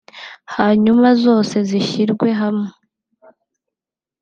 hanyuma zose zizashyirwe hamwe